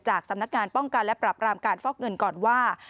สำนักงานป้องกันและปรับรามการฟอกเงินก่อนว่า